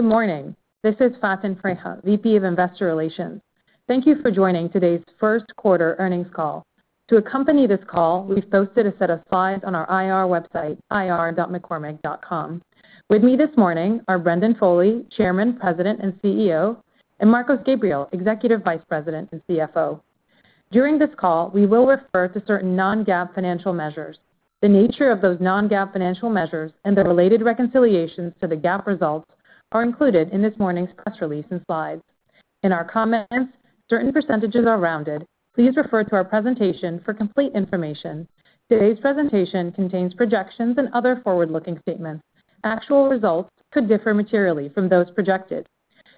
Good morning. This is Faten Freiha, VP of Investor Relations. Thank you for joining today's first quarter earnings call. To accompany this call, we've posted a set of slides on our IR website, ir.mccormick.com. With me this morning are Brendan Foley, Chairman, President and CEO, and Marcos Gabriel, Executive Vice President and CFO. During this call we will refer to certain non-GAAP financial measures. The nature of those non-GAAP financial measures and the related reconciliations to the GAAP results are included in this morning's press release and slides. In our comments, certain percentages are rounded. Please refer to our presentation for complete information. Today's presentation contains projections and other forward-looking statements. Actual results could differ materially from those projected.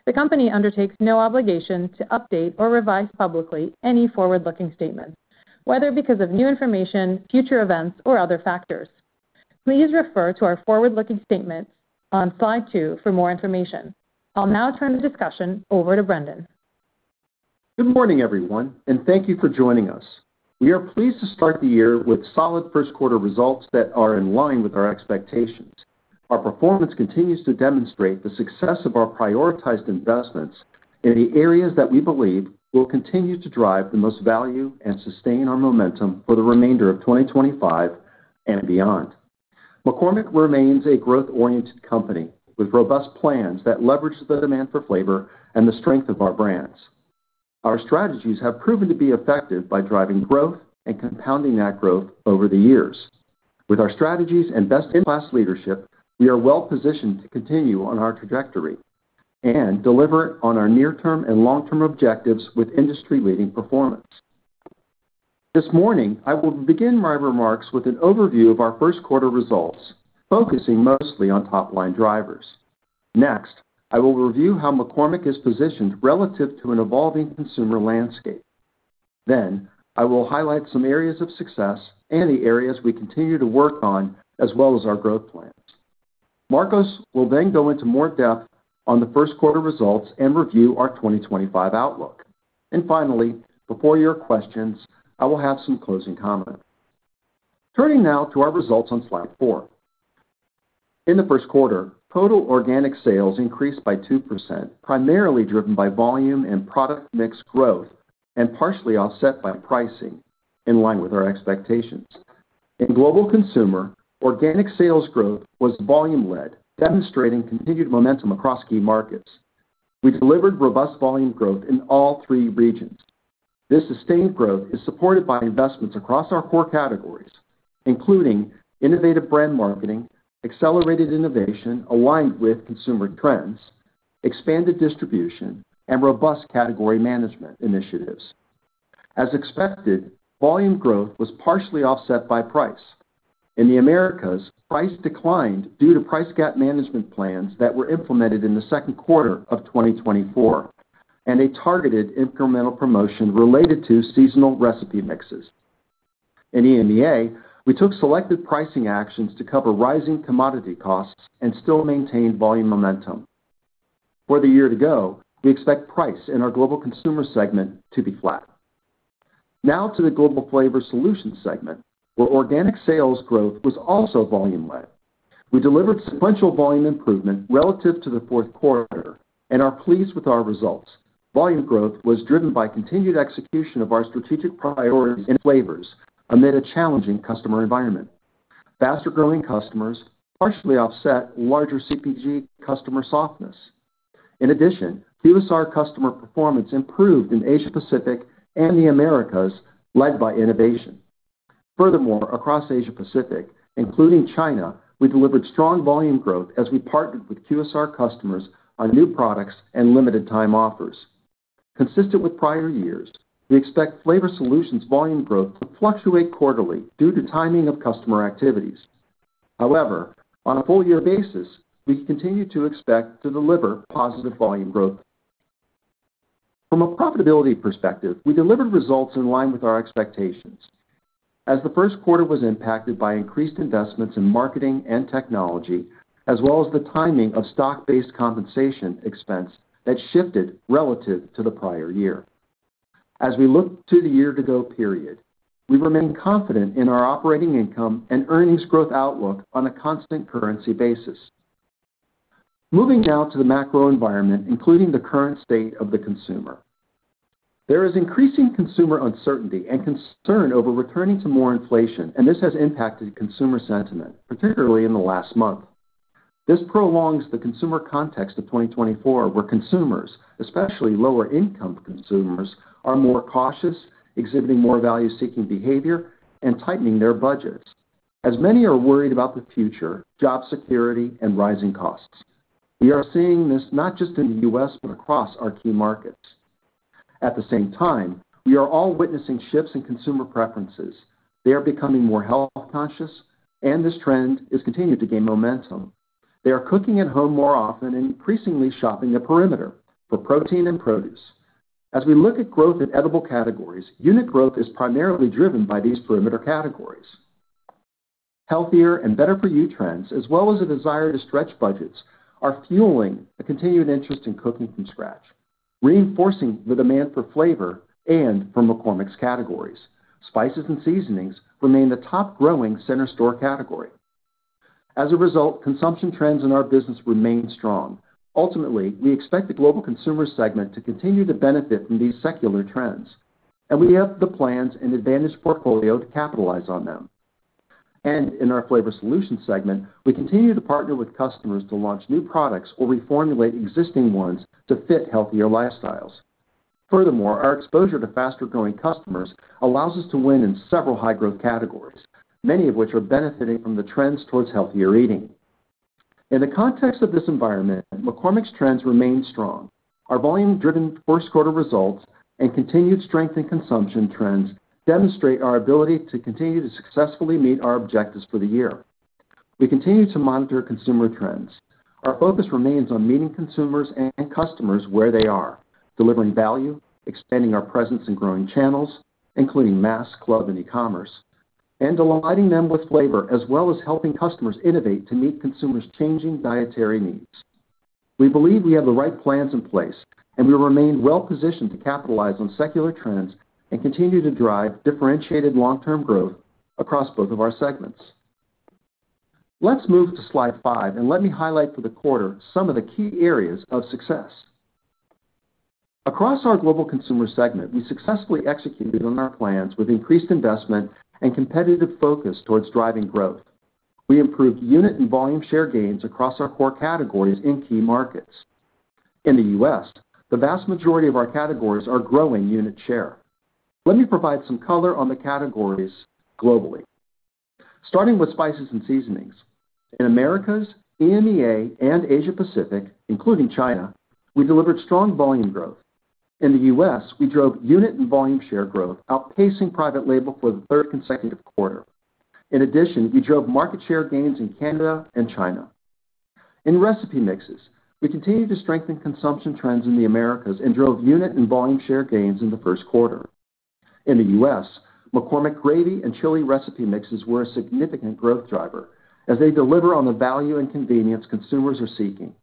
The company undertakes no obligation to update or revise publicly any forward-looking statements whether because of new information, future events or other factors. Please refer to our forward looking statements on slide two for more information. I'll now turn the discussion over to Brendan. Good morning everyone and thank you for joining us. We are pleased to start the year with solid first quarter results that are in line with our expectations. Our performance continues to demonstrate the success of our prioritized investments in the areas that we believe will continue to drive the most value and sustain our momentum for the remainder of 2025 and beyond. McCormick remains a growth oriented company with robust plans that leverage the demand for flavor and the strength of our brands. Our strategies have proven to be effective by driving growth and compounding that growth over the years. With our strategies and best in class leadership, we are well positioned to continue on our trajectory and deliver on our near term and long term objectives with industry leading performance. This morning, I will begin my remarks with an overview of our first quarter results focusing mostly on top line drivers. Next I will review how McCormick is positioned relative to an evolving consumer landscape. Then I will highlight some areas of success and the areas we continue to work on as well as our growth plans. Marcos will then go into more depth on the first quarter results and review our 2025 outlook. And finally, before your questions, I will have some closing comments. Turning now to our results on slide four, in the first quarter total organic sales increased by 2% primarily driven by volume and product mix growth and partially offset by pricing in line with our expectations. In Global Consumer organic sales growth was volume led, demonstrating continued momentum across key markets. We delivered robust volume growth in all three regions. This sustained growth is supported by investments across our core categories including innovative brand marketing, accelerated innovation aligned with consumer trends, expanded distribution, and robust category management initiatives. As expected, volume growth was partially offset by price. In the Americas, price declined due to price gap management plans that were implemented in the second quarter of 2024 and a targeted incremental promotion related to seasonal recipe mixes in EMEA. We took selected pricing actions to cover rising commodity costs and still maintain volume momentum for the year to go. We expect price in our Global Consumer segment to be flat. Now to the Global Flavor Solutions segment where organic sales growth was also volume-led. We delivered sequential volume improvement relative to the fourth quarter and are pleased with our results. Volume growth was driven by continued execution of our strategic priorities and flavors amid a challenging customer environment. Faster growing customers partially offset larger CPG customer softness. In addition, QSR customer performance improved in Asia Pacific and the Americas led by innovation. Furthermore, across Asia Pacific, including China, we delivered strong volume growth as we partnered with QSR customers on new products and limited time offers. Consistent with prior years, we expect Flavor Solutions volume growth to fluctuate quarterly due to timing of customer activities. However, on a full year basis we continue to expect to deliver positive volume growth. From a profitability perspective, we delivered results in line with our expectations as the first quarter was impacted by increased investments in marketing and technology as well as the timing of stock-based compensation expense that shifted relative to the prior year. As we look to the year to go period, we remain confident in our operating income and earnings growth outlook on a constant currency basis. Moving now to the macro environment including the current state of the Consumer, there is increasing Consumer uncertainty and concern over returning to more inflation and this has impacted Consumer sentiment particularly in the last month. This prolongs the Consumer context of 2024 where consumers, especially lower income consumers, are more cautious, exhibiting more value seeking behavior and tightening their budgets as many are worried about the future job security and rising costs. We are seeing this not just in the U.S. but across our key markets. At the same time, we are all witnessing shifts in consumer preferences. They are becoming more health conscious and this trend is continuing to gain momentum. They are cooking at home more often and increasingly shopping a perimeter for protein and produce. As we look at growth in edible categories, unit growth is primarily driven by these perimeter categories. Healthier and better for you trends as well as a desire to stretch budgets are fueling a continued interest in cooking from scratch, reinforcing the demand for flavor and for McCormick's categories, spices and seasonings remain the top growing center store category. As a result, consumption trends in our business remain strong. Ultimately, we expect the Global Consumer segment to continue to benefit from these secular trends and we have the plans and advantage portfolio to capitalize on them. In our Flavor Solutions segment, we continue to partner with customers to launch new products or reformulate existing ones to fit healthier lifestyles. Furthermore, our exposure to faster growing customers allows us to win in several high growth categories, many of which are benefiting from the trends towards healthier eating. In the context of this environment, McCormick's trends remain strong. Our volume driven first quarter results and continued strength in consumption trends demonstrate our ability to continue to successfully meet our objectives for the year. We continue to monitor consumer trends. Our focus remains on meeting consumers and customers where they are, delivering value, expanding our presence in growing channels including mass, club, and e-commerce, and delighting them with flavor as well as helping customers innovate to meet consumers' changing dietary needs. We believe we have the right plans in place and we remain well positioned to capitalize on secular trends and continue to drive differentiated long term growth across both of our segments. Let's move to slide five and let me highlight for the quarter some of the key areas of success across our Global Consumer segment. We successfully executed on our plans with increased investment and competitive focus towards driving growth. We improved unit and volume share gains across our core categories in key markets. In the U.S. the vast majority of our categories are growing unit share. Let me provide some color on the categories globally. Starting with spices and seasonings in Americas, EMEA and Asia Pacific including China, we delivered strong volume growth. In the U.S. we drove unit and volume share growth outpacing private label for the third consecutive quarter. In addition, we drove market share gains in Canada and China in recipe mixes. We continued to strengthen consumption trends in the Americas and drove unit and volume share gains in the first quarter. In the U.S. McCormick gravy and chili recipe mixes were a significant growth driver as they deliver on the value and convenience consumers are seeking.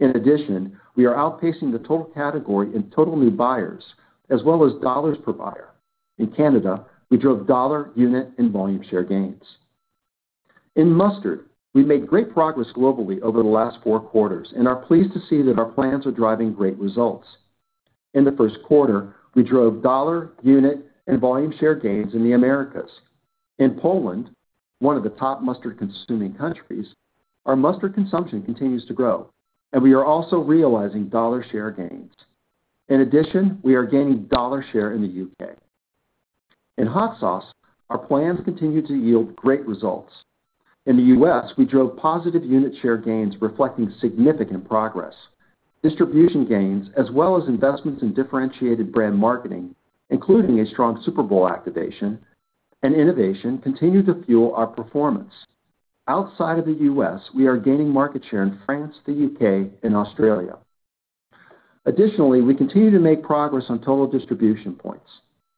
In addition, we are outpacing the total category in total new buyers as well as dollars per buyer. In Canada, we drove dollar, unit, and volume share gains in mustard. We made great progress globally over the last four quarters and are pleased to see that our plans are driving great results. In the first quarter, we drove dollar, unit, and volume share gains in the Americas. In Poland, one of the top mustard consuming countries, our mustard consumption continues to grow and we are also realizing dollar share gains. In addition, we are gaining dollar share in the U.K. in hot sauce. Our plans continue to yield great results. In the U.S., we drove positive unit share gains reflecting significant progress. Distribution gains as well as investments in differentiated brand marketing, including a strong Super Bowl activation and innovation, continue to fuel our performance. Outside of the U.S., we are gaining market share in France, the U.K., and Australia. Additionally, we continue to make progress on total distribution points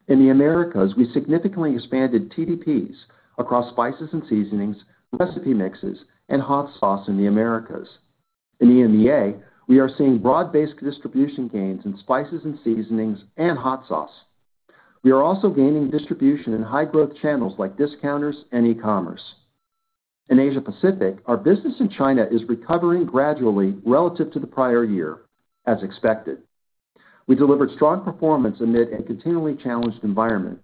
in the Americas. We significantly expanded TDPs across spices and seasonings, recipe mixes, and hot sauce in the Americas. In EMEA, we are seeing broad-based distribution gains in spices and seasonings and hot sauce. We are also gaining distribution in high-growth channels like discounters and e-commerce in Asia Pacific. Our business in China is recovering gradually relative to the prior year. As expected, we delivered strong performance amid a continually challenged environment.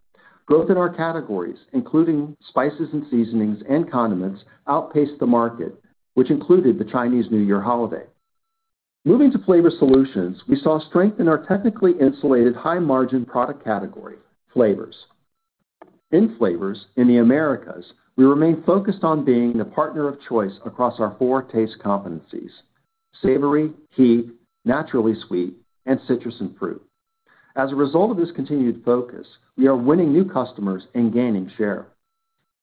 Growth in our categories including spices and seasonings and condiments outpaced the market, which included the Chinese New Year Holiday. Moving to Flavor Solutions, we saw strength in our technically insulated high-margin product category Flavors. In Flavors in the Americas, we remain focused on being the partner of choice across our four Taste, Savory Heat, Naturally Sweet, and Citrus and Fruit. As a result of this continued focus, we are winning new customers and gaining share.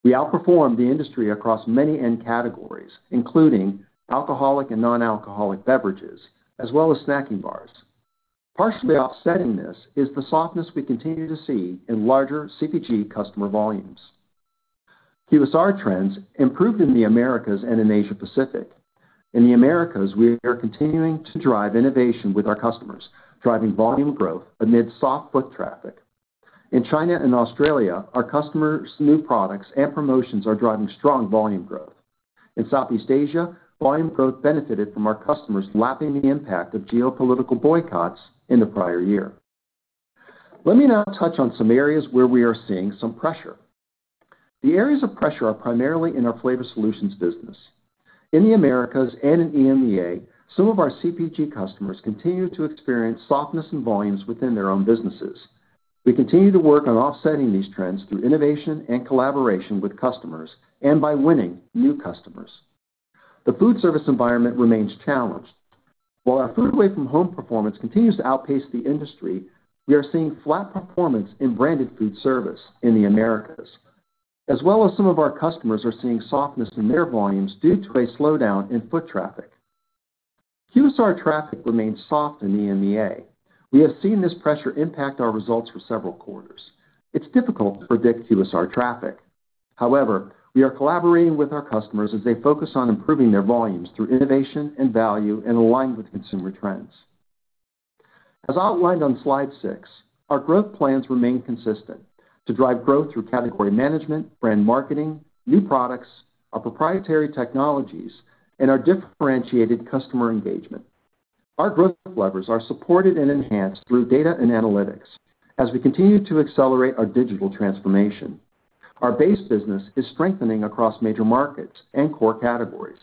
We outperformed the industry across many end categories including alcoholic and non-alcoholic beverages as well as snacking bars. Partially offsetting this is the softness we continue to see in larger CPG customer volumes. QSR trends improved in the Americas and in Asia Pacific. In the Americas, we are continuing to drive innovation with our customers driving volume growth amid soft foot traffic. In China and Australia, our customers' new products and promotions are driving strong volume growth in Southeast Asia. Volume growth benefited from our customers lapping the impact of geopolitical boycotts in the prior year. Let me now touch on some areas where we are seeing some pressure. The areas of pressure are primarily in our Flavor Solutions business in the Americas and in EMEA. Some of our CPG customers continue to experience softness in volumes within their own businesses. We continue to work on offsetting these trends through innovation and collaboration with customers and by winning new customers. The food service environment remains challenged. Our food away from home performance continues. To outpace the industry. We are seeing flat performance in branded food service in the Americas as well as some of our customers are seeing softness in their volumes due to a slowdown in foot traffic. QSR traffic remains soft in the EMEA. We have seen this pressure impact our results for several quarters. It's difficult to predict QSR traffic. However, we are collaborating with our customers as they focus on improving their volumes through innovation and value in aligned with consumer trends as outlined on slide 6. Our growth plans remain consistent to drive growth through category management, brand marketing, new products, our proprietary technologies and our differentiated customer engagement. Our growth levers are supported and enhanced through data and analytics as we continue to accelerate our digital transformation. Our base business is strengthening across major markets and core categories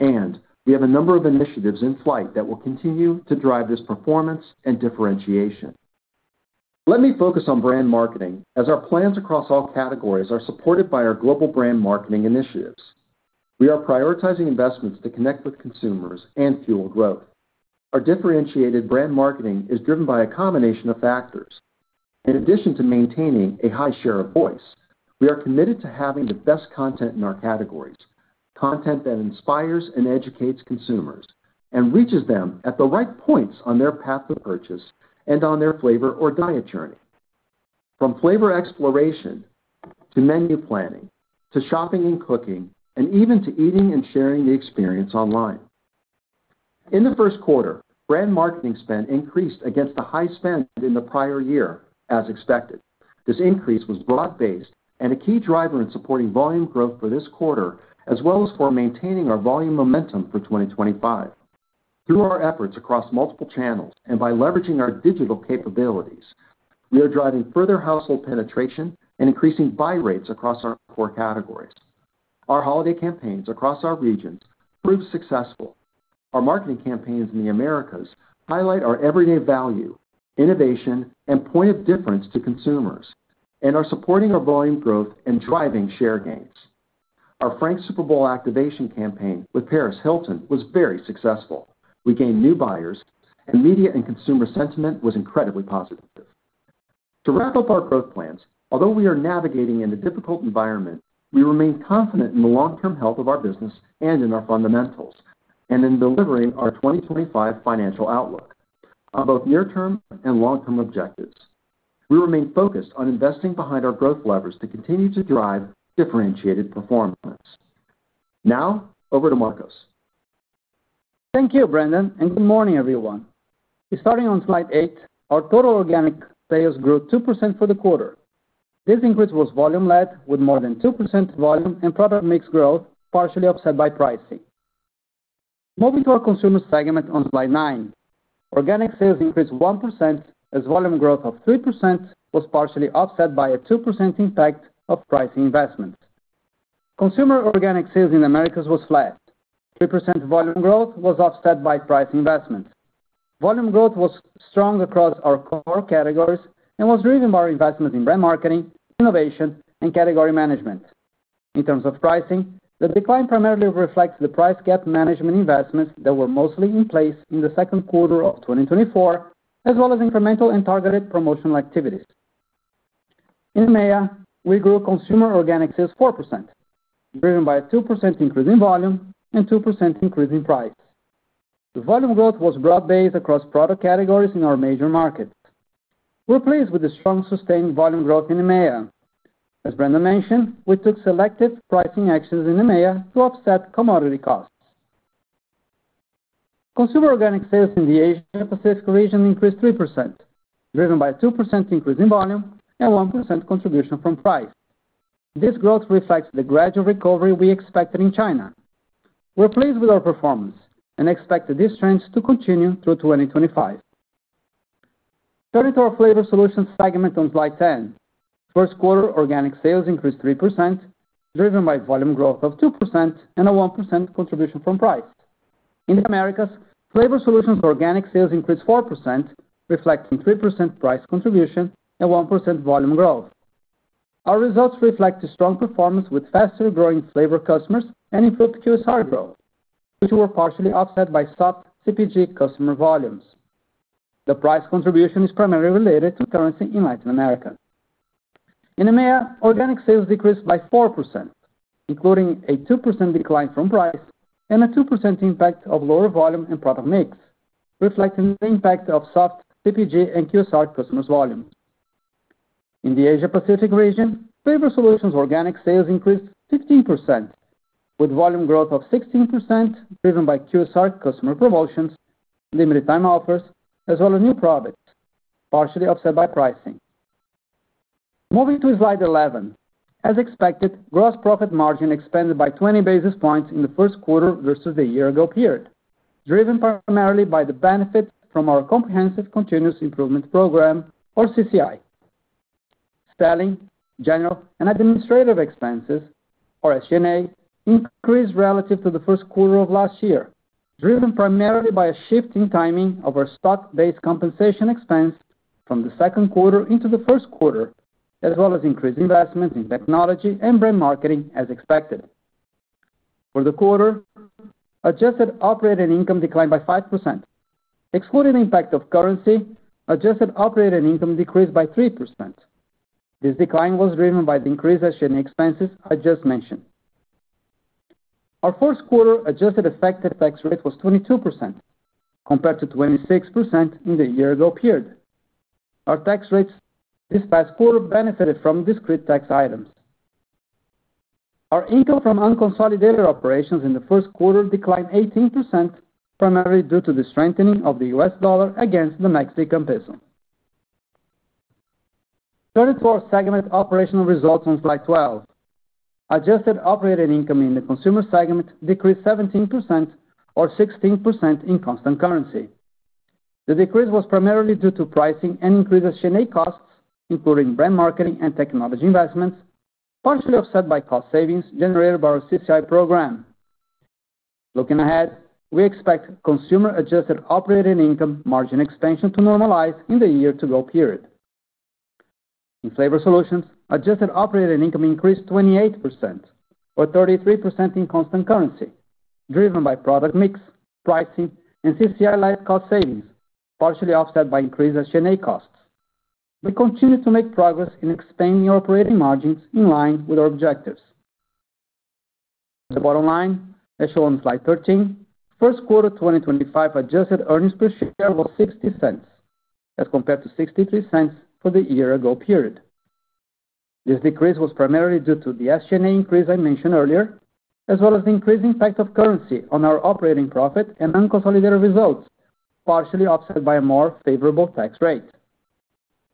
and we have a number of initiatives in flight that will continue to drive this performance and differentiation. Let me focus on brand marketing as our plans across all categories are supported by our global brand marketing initiatives. We are prioritizing investments to connect with consumers and fuel growth. Our differentiated brand marketing is driven by a combination of factors. In addition to maintaining a high share of voice, we are committed to having the best content in our categories. Content that inspires and educates consumers and reaches them at the right points on their path to purchase and on their flavor or diet journey. From flavor exploration to menu planning, to shopping and cooking, and even to eating and sharing the experience online. In the first quarter, brand marketing spend increased against the high spend in the prior year. As expected, this increase was broad based and a key driver in supporting volume growth for this quarter as well as for maintaining our volume momentum for 2025. Through our efforts across multiple channels and by leveraging our digital capabilities, we are driving further household penetration and increasing buy rates across our core categories. Our holiday campaigns across our regions proved successful. Our marketing campaigns in the Americas highlight our everyday value, innovation and point of difference to consumers and are supporting our volume growth and driving share gains. Our Frank's Super Bowl activation campaign with Paris Hilton was very successful. We gained new buyers and media and consumer sentiment was incredibly positive. To wrap up our growth plans, although we are navigating in a difficult environment, we remain confident in the long term health of our business and in our fundamentals and in delivering our 2025 financial outlook on both near term and long term objectives. We remain focused on investing behind our growth levers to continue to drive differentiated performance. Now over to Marcos. Thank you Brendan and good morning everyone. Starting on slide eight, our total organic sales grew 2% for the quarter. This increase was volume led with more than 2% volume and product mix growth partially offset by pricing. Moving to our Consumer Segment on slide nine, organic sales increased 1% as volume growth of 3% was partially offset by a 2% impact of price investments. Consumer organic sales in Americas was flat 3%. Volume growth was offset by price investments. Volume growth was strong across our core categories and was driven by our investment in brand marketing, innovation and category management. In terms of pricing, the decline primarily reflects the price gap management investments that were mostly in place in the second quarter of 2024 as well as incremental and targeted promotional activities. In EMEA, we grew consumer organic sales 4% driven by a 2% increase in volume and 2% increase in price. The volume growth was broad based across product categories in our major markets. We're pleased with the strong sustained volume growth in EMEA. As Brendan mentioned, we took selective pricing actions in EMEA to offset commodity costs. Consumer organic sales in the Asia Pacific region increased 3% driven by 2% increase in volume and 1% contribution from price. This growth reflects the gradual recovery we expected in China. We're pleased with our performance and expect these trends to continue through 2025. Turning to our Flavor Solutions segment on slide 10, first quarter organic sales increased 3% driven by volume growth of 2% and a 1% contribution from price. In the Americas, Flavor Solutions organic sales increased 4% reflecting 3% price contribution and 1% volume growth. Our results reflect the strong performance with faster growing flavor customers and improved QSR growth which were partially offset by soft CPG customer volumes. The price contribution is primarily related to currency in Latin America. In EMEA, organic sales decreased by 4% including a 2% decline from price and a 2% impact of lower volume and product mix reflecting the impact of soft CPG and QSR customers volumes. In the Asia Pacific region, Flavor Solutions organic sales increased 15% with volume growth of 16% driven by QSR customer promotions, limited time offers as well as new products partially offset by pricing. Moving to slide 11 as expected, gross profit margin expanded by 20 basis points in the first quarter versus the year ago period, driven primarily by the benefit from our Comprehensive Continuous Improvement Program or CCI. Selling, general and administrative expenses or SG&A increased relative to the first quarter of last year driven primarily by a shift in timing of our stock-based compensation expense from the second quarter into the first quarter as well as increased investments in technology and brand marketing. As expected for the quarter, adjusted operating income declined by 5%. Excluding the impact of currency, adjusted operating income decreased by 3%. This decline was driven by the increased adjustments I just mentioned. Our fourth quarter adjusted effective tax rate was 22% compared to 26% in the year-ago period. Our tax rates this past quarter benefited from discrete tax items. Our income from unconsolidated operations in the first quarter declined 18% primarily due to the strengthening of the US dollar against the Mexican peso. Turning to our segment operational results on slide 12, adjusted operating income in the Consumer segment decreased 17% or 16% in constant currency. The decrease was primarily due to pricing and increased CCI costs including brand marketing and technology investments, partially offset by cost savings generated by our CCI program. Looking ahead, we expect consumer adjusted operating income margin expansion to normalize in the year to go period. In Flavor Solutions, adjusted operating income increased 28% or 33% in constant currency, driven by product mix, pricing, and CCI-led cost savings, partially offset by increased SG&A costs. We continue to make progress in expanding operating margins in line with our objectives. The bottom line as shown on slide 13, first quarter 2025 adjusted earnings per share was $0.60 as compared to $0.63 for the year ago period. This decrease was primarily due to the SG&A increase I mentioned earlier, as well as the increased impact of currency on our operating profit and unconsolidated results, partially offset by a more favorable tax rate.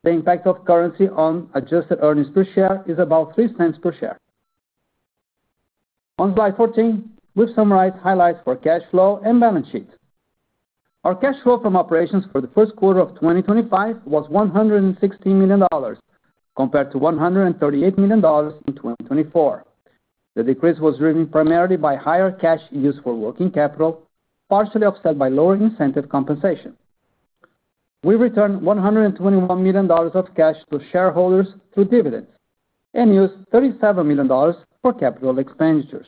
The impact of currency on adjusted earnings per share is about $0.03 per share. On slide 14, we have summarized highlights for cash flow and balance sheet. Our cash flow from operations for the first quarter of 2025 was $116 million compared to $138 million in 2024. The decrease was driven primarily by higher cash used for working capital, partially offset by lower incentive compensation. We returned $121 million of cash to shareholders through dividends and used $37 million for capital expenditures.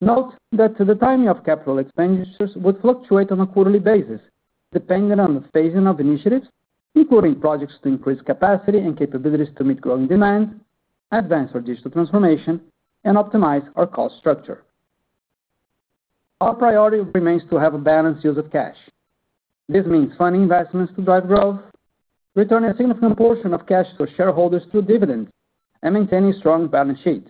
Note that the timing of capital expenditures would fluctuate on a quarterly basis depending on the phasing of initiatives, including projects to increase capacity and capabilities to meet growing demand, advance our digital transformation, and optimize our cost structure. Our priority remains to have a balanced use of cash. This means funding investments to drive growth, returning a significant portion of cash to shareholders through dividends, and maintaining strong balance sheet.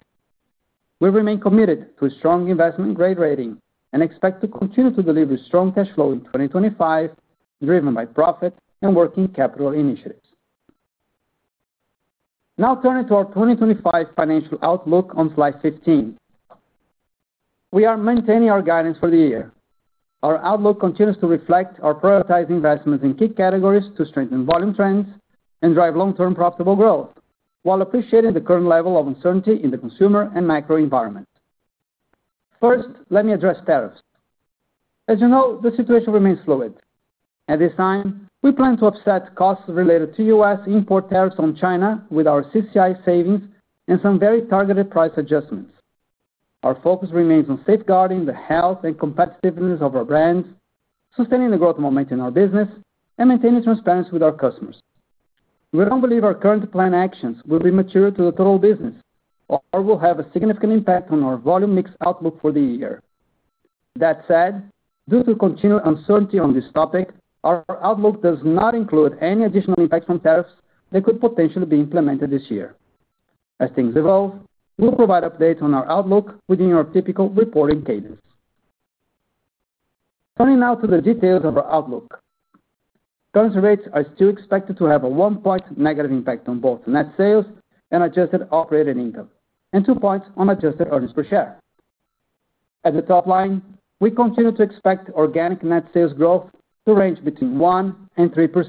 We remain committed to a strong investment grade rating and expect to continue to deliver strong cash flow in 2025 driven by profit and working capital initiatives. Now turning to our 2025 financial outlook on slide 15, we are maintaining our guidance for the year. Our outlook continues to reflect our prioritized investments in key categories to strengthen volume trends and drive long term profitable growth while appreciating the current level of uncertainty in the consumer and macro environment. First, let me address tariffs. As you know, the situation remains fluid at this time. We plan to offset costs related to U.S. import tariffs on China with our CCI savings and some very targeted price adjustments. Our focus remains on safeguarding the health and competitiveness of our brands, sustaining the growth momentum in our business, and maintaining transparency with our customers. We don't believe our current planned actions will be material to the total business or will have a significant impact on our volume mix outlook for the year. That said, due to continued uncertainty on this topic, our outlook does not include any additional impacts from tariffs that could potentially be implemented this year as things evolve. We'll provide updates on our outlook within our typical reporting cadence. Turning now to the details of our outlook, currency rates are still expected to have a one point negative impact on both net sales and adjusted operating income and 2 points on adjusted earnings per share. At the top line, we continue to expect organic net sales growth to range between 1-3%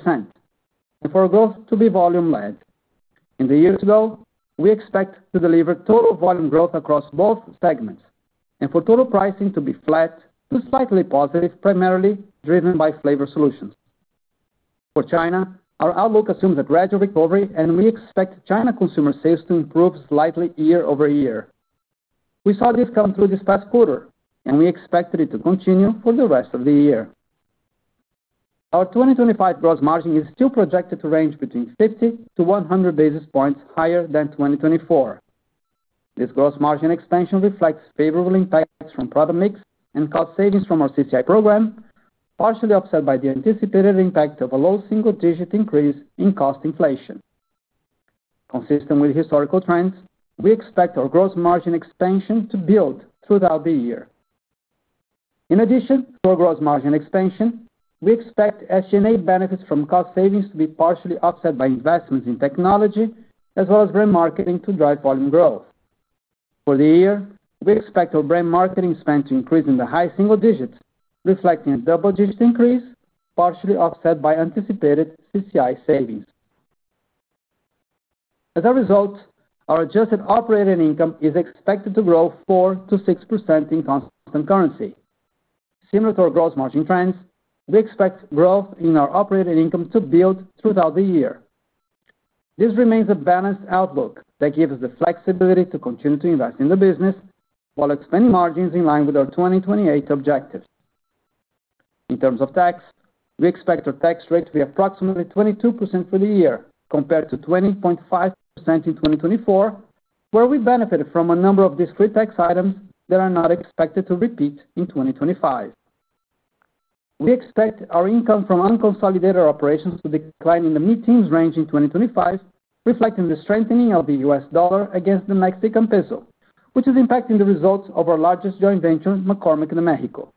and for growth to be volume led. In the year to go, we expect to deliver total volume growth across both segments and for total pricing to be flat to slightly positive, primarily driven by Flavor Solutions. For China, our outlook assumes a gradual recovery and we expect China consumer sales to improve slightly year over year. We saw this come through this past quarter and we expect it to continue for the rest of the year. Our 2025 gross margin is still projected to range between 50-100 basis points higher than 2024. This gross margin expansion reflects favorable impacts from product mix and cost savings from our CCI program, partially offset by the anticipated impact of a low single digit increase in cost inflation. Consistent with historical trends, we expect our gross margin expansion to build throughout the year. In addition to our gross margin expansion, we expect SG&A benefits from cost savings be partially offset by investments in technology as well as brand marketing to drive volume growth. For the year, we expect our brand marketing spend to increase in the high single digits, reflecting a double digit increase, partially offset by anticipated CCI savings. As a result, our adjusted operating income is expected to grow 4-6% in constant currency. Similar to our gross margin trends, we expect growth in our operating income to build throughout the year. This remains a balanced outlook that gives us the flexibility to continue to invest in the business and while expanding margins in line with our 2028 objectives. In terms of tax, we expect our tax rate to be approximately 22% for the year compared to 20.5% in 2024 where we benefited from a number of discrete tax items that are not expected to repeat in 2025. We expect our income from unconsolidated operations to decline in the mid teens range in 2025, reflecting the strengthening of the US dollar against the Mexican peso, which is impacting the results of our largest joint venture, McCormick de México.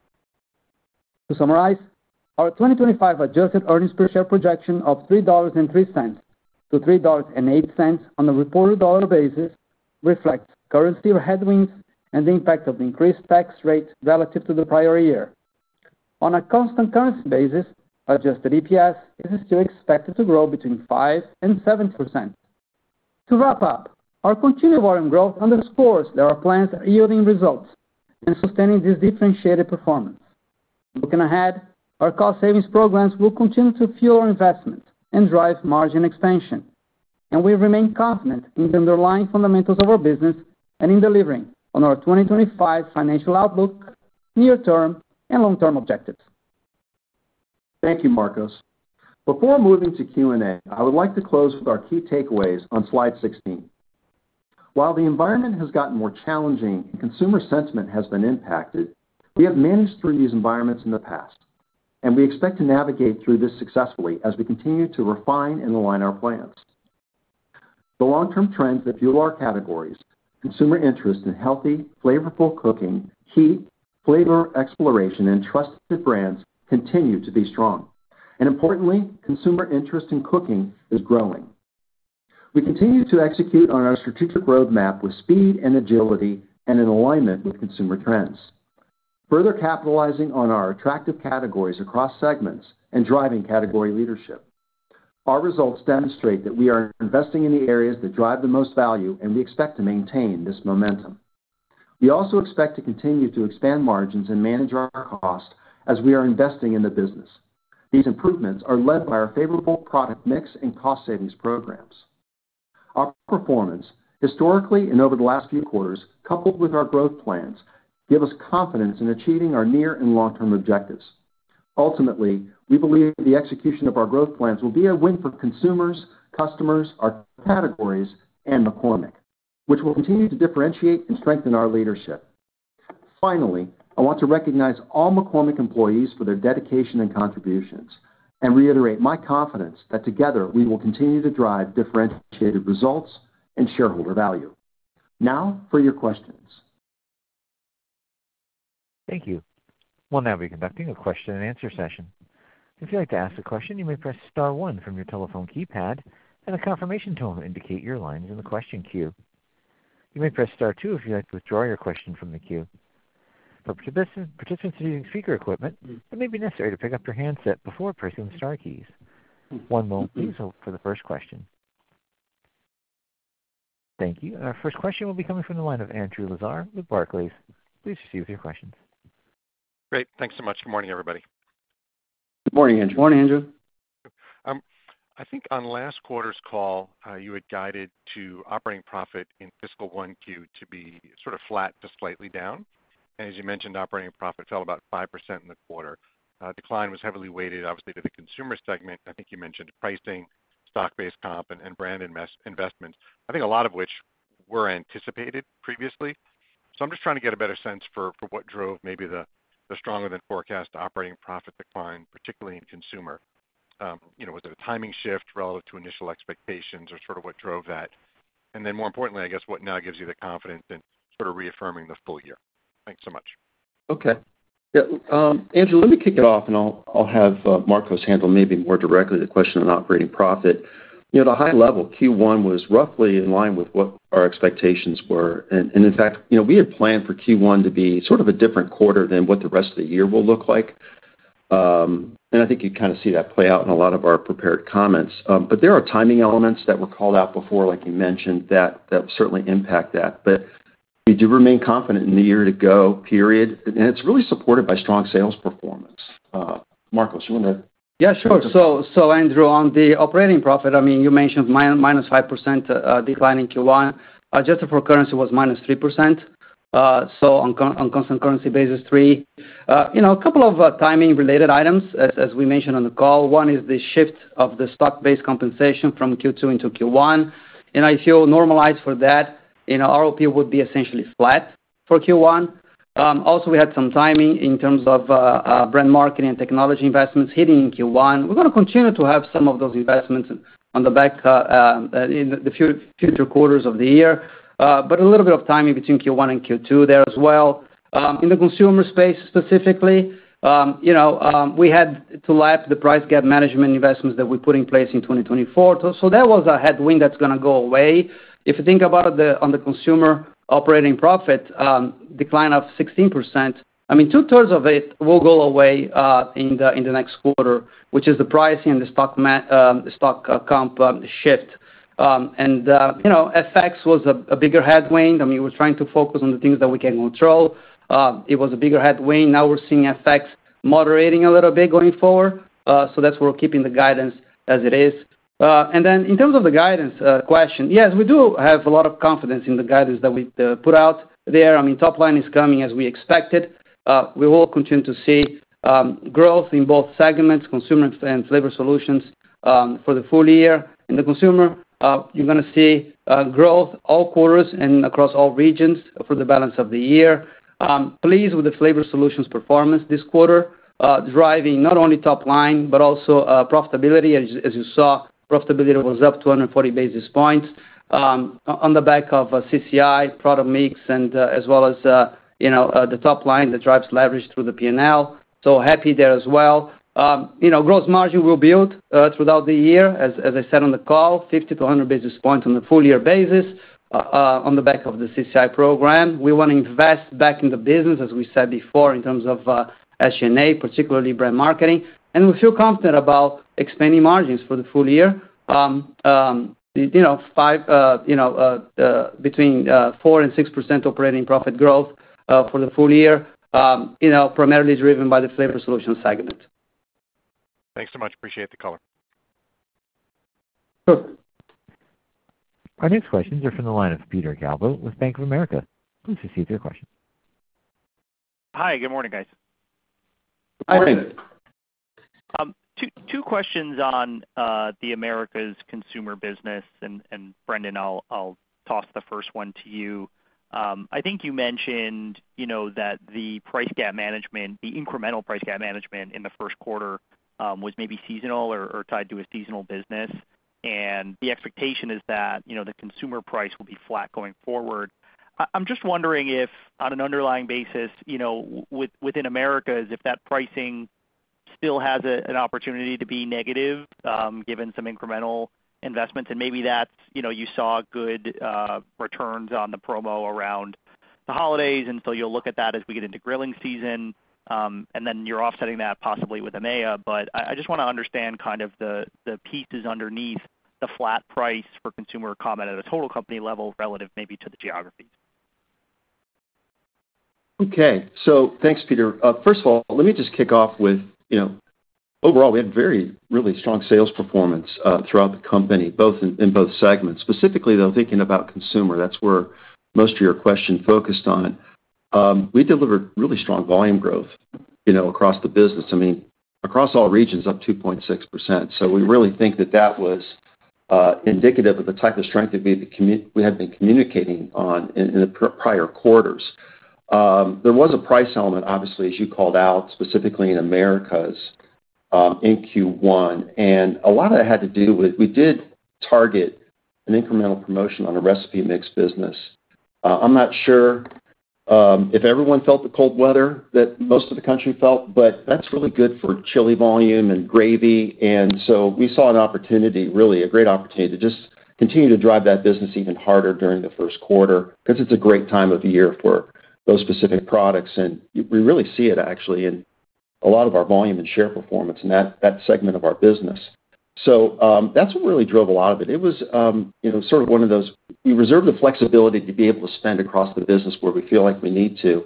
To summarize, our 2025 adjusted earnings per share projection of $3.03-$3.08 on a reported dollar basis reflects currency headwinds and the impact of the increased tax rate relative to the prior year. On a constant currency basis, adjusted EPS is still expected to grow between 5% and 7% to wrap up. Our continued volume growth underscores that our plans are yielding results and sustaining this differentiated performance. Looking ahead, our cost savings programs will continue to fuel our investment and drive margin expansion, and we remain confident in the underlying fundamentals of our business and in delivering on our 2025 financial outlook, near term and long term objectives. Thank you, Marcos. Before moving to Q&A, I would like to close with our key takeaways on slide 16. While the environment has gotten more challenging and consumer sentiment has been impacted, we have managed through these environments in the past and we expect to navigate through this successfully as we continue to refine and align our plans. The long-term trends that fuel our categories, consumer interest in healthy, flavorful cooking, heat flavor exploration, and trusted brands continue to be strong and, importantly, consumer interest in cooking is growing. We continue to execute on our strategic roadmap with speed and agility and in alignment with consumer trends, further capitalizing on our attractive categories across segments and driving category leadership. Our results demonstrate that we are investing in the areas that drive the most value and we expect to maintain this momentum. We also expect to continue to expand margins and manage our cost as we are investing in the business. These improvements are led by our favorable product mix and cost savings programs. Our performance historically and over the last few quarters coupled with our growth plans give us confidence in achieving our near and long term objectives. Ultimately, we believe the execution of our growth plans will be a win for consumers, customers, our categories and McCormick, which will continue to differentiate and strengthen our leadership. Finally, I want to recognize all McCormick employees for their dedication and contributions and reiterate my confidence that together we will continue to drive differentiated results and shareholder value. Now for your questions. Thank you. We will now be conducting a question and answer session. If you'd like to ask a question, you may press star one from your telephone keypad and a confirmation tone will indicate your line is in the question queue. You may press star two if you'd like to withdraw your question from the queue. For participants using speaker equipment, it may be necessary to pick up your handset before pressing the star keys. One moment, please hold for the first question. Thank you. Our first question will be coming from the line of Andrew Lazar with Barclays. Please proceed with your questions. Great.Thanks so much. Good morning everybody. Good morning, Andrew. Good morning, Andrew. I think on last quarter's call you had guided to operating profit in fiscal first Q to be sort of flat to slightly down. As you mentioned, operating profit fell about 5% in the quarter. Decline was heavily weighted obviously to the Consumer segment. I think you mentioned pricing, stock-based comp, and brand investments, I think a lot of which were anticipated previously. I am just trying to get a better sense for what drove maybe the stronger than forecast operating profit decline, particularly in consumer. Was it a timing shift relative to initial expectations or sort of what drove that? More importantly, I guess what now gives you the confidence in sort of reaffirming the full year? Thanks so much. Okay Andrew, let me kick it off. I'll have Marcos handle maybe more directly the question on operating profit at a high level. Q1 was roughly in line with what our expectations were. In fact, we had planned for Q1 to be sort of a different quarter than what the rest of the year will look like. I think you kind of see that play out in a lot of our prepared comments. There are timing elements that were called out before, like you mentioned, that certainly impact that. We do remain confident in the year to go period. It is really supported by strong sales performance. Marcos, you want to. Yeah, sure. Andrew, on the operating profit, I mean you mentioned -5% decline in Q1 adjusted for currency was -3%. On a constant currency basis, three. A couple of timing related items as we mentioned on the call. One is the shift of the stock-based compensation from Q2 into Q1 and I feel normalized for that, ROP would be essentially flat for Q1. Also, we had some timing in terms of brand marketing and technology investments hitting in Q1. We're going to continue to have some of those investments on the back in the future quarters of the year, but a little bit of timing between Q1 and Q2 there as well. In the consumer space specifically we had to lap the price gap management investments that we put in place in 2024. That was a headwind that's going to go away. If you think about it on the consumer operating profit decline of 16%. I mean two thirds of it will go away in the next quarter, which is the pricing and the stock comp shift. FX was a bigger headwind. I mean, we're trying to focus on the things that we can control. It was a bigger headwind. Now we're seeing FX moderating a little bit going forward. That's where we're keeping the guidance as it is. In terms of the guidance question, yes, we do have a lot of confidence in the guidance that we put out there. I mean, top line is coming as we expected. We will continue to see growth in both segments, consumer and Flavor Solutions for the full year. In the consumer, you're going to see growth all quarters and across all regions for the balance of the year. Pleased with the Flavor Solutions performance this quarter driving not only top line but also profitability. As you saw, profitability was up 240 basis points on the back of CCI, product mix, and as well as the top line that drives leverage through the P&L. So happy there as well. Gross margin will build throughout the year as I said on the call, 50 basis points-100 basis points on the full year basis on the back of the CCI program. We want to invest back in the business as we said before in terms of H&A, particularly brand marketing, and we feel confident about expanding margins for the full year. Between 4%-6% operating profit growth for the full year primarily driven by the Flavor Solutions segment. Thanks so much. Appreciate the color. Our next questions are from the line of Peter Galbo with Bank of America. Please proceed with your question. Hi, good morning guys. Two questions on the Americas consumer business and Brendan, I'll toss the first one to you. I think you mentioned that the price gap management, the incremental price gap management in the first quarter was maybe seasonal or tied to a seasonal business and the expectation is that the consumer price will be flat going forward. I'm just wondering if on an underlying basis within Americas, if that pricing still has an opportunity to be negative given some incremental investments and maybe that you saw good returns on the promo around the holidays and so you look at that as we get into grilling season and then you're offsetting that possibly with EMEA. I just want to understand kind of the pieces underneath the flat price for consumer comment at a total company level relative maybe to the geographies. Okay, so thanks Peter. First of all, let me just kick off with overall, we had very really strong sales performance throughout the company in both segments. Specifically, though thinking about consumer, that's where most of your question focused on. We delivered really strong volume growth across the business across all regions up 2.6%. We really think that that was indicative of the type of strength that we had been communicating on in the prior quarters. There was a price element obviously, as you called out specifically in Americas in Q1, and a lot of that had to do with we did target an incremental promotion on a recipe mix business. I'm not sure if everyone felt the cold weather that most of the country felt, but that's really good for chili volume and gravy. We saw an opportunity, really a great opportunity to just continue to drive that business even harder during the first quarter because it's a great time of year for those specific products. We really see it actually in a lot of our volume and share performance in that segment of our business. That's what really drove a lot of it. It was sort of one of those you reserve the flexibility to be able to spend across the business where we feel like we need to.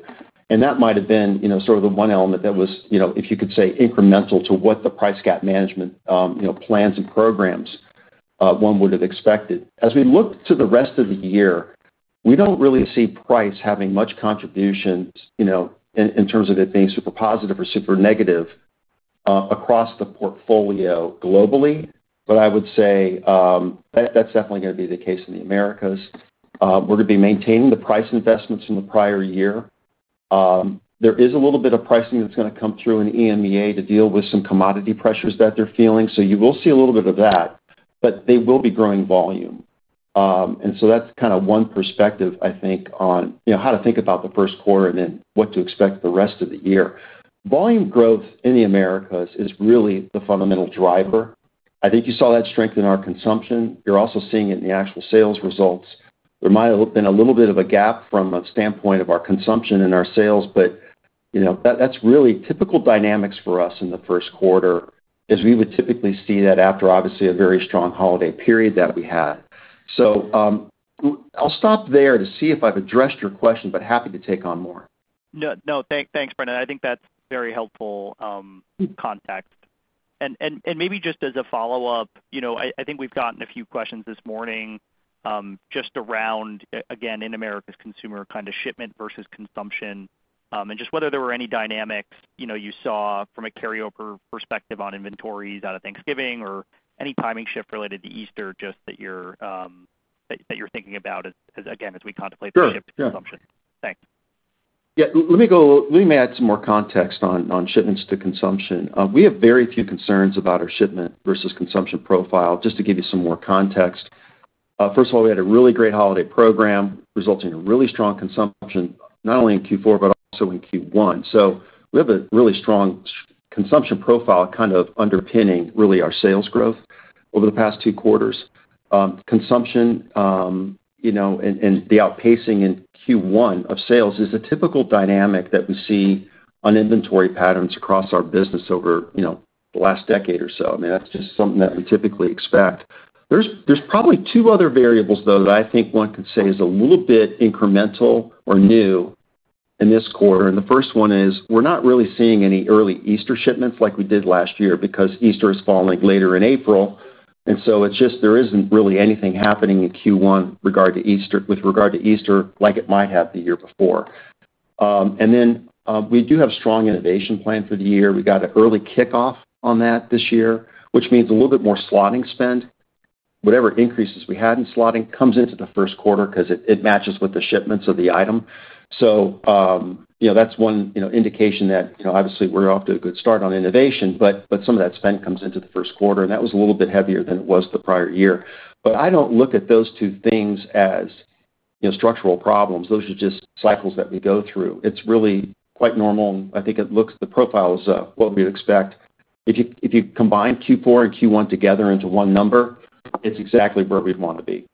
That might have been sort of the one element that was, if you could say, incremental to what the price gap management plans and programs one would have expected. As we look to the rest of the year, we do not really see price having much contributions in terms of it being super positive or super negative across the portfolio globally. But I would say, that is definitely going to be the case in the Americas. We are going to be maintaining the price investments in the prior year. There is a little bit of pricing that is going to come through in EMEA to deal with some commodity pressures that they are feeling. You will see a little bit of that. They will be growing volume. That is kind of one perspective, I think, on how to think about the first quarter and then what to expect the rest of the year. Volume growth in the Americas is really the fundamental driver. I think you saw that strength in our consumption. You are also seeing it in the actual sales results. There might have been a little bit of a gap from a standpoint of our consumption and our sales, but that's really typical dynamics for us in the first quarter as we would typically see that after obviously a very strong holiday period that we had. So I'll stop there to see if I've addressed your question, but happy to take on more. No thanks, Brendan. I think that's very helpful context and maybe just as a follow up, I think we've gotten a few questions this morning just around again in Americas consumer kind of shipment versus consumption. Just whether there were any dynamics you saw from a carryover perspective on inventories out of Thanksgiving or any timing shift related to Easter, just that you're thinking about again as we contemplate the ship consumption. Thanks. Yeah, let me go. Let me add some more context on shipments to consumption. We have very few concerns about our shipment versus consumption profile. Just to give you some more context, first of all, we had a really great holiday program resulting in really strong consumption not only in Q4 but also in Q1. We have a really strong consumption profile kind of underpinning really our sales growth over the past two quarters, consumption and the outpacing in Q1 of sales is a typical dynamic that we see on inventory patterns across our business over the last decade or so. That's just something that we typically expect. There's probably two other variables though that I think one could say is a little bit incremental or new in this quarter. The first one is we're not really seeing any early Easter shipments like we did last year because Easter is falling later in April. There isn't really anything happening in Q1 with regard to Easter like it might have the year before. We do have strong innovation plan for the year. We got an early kickoff on that this year, which means a little bit more slotting spend. Whatever increases we had in slotting comes into the first quarter because it matches with the shipments of the item. That is one indication that obviously we're off to a good start on innovation. Some of that spend comes into the first quarter and that was a little bit heavier than it was the prior year. But I don't look at those two things as structural problems. Those are just cycles that we go through. It's really quite normal. I think it looks the profile is what we expect. If you combine Q4 and Q1 together into one number, it's exactly where we'd want to be.